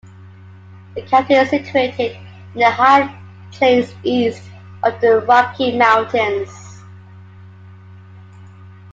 The County is situated in the High Plains east of the Rocky Mountains.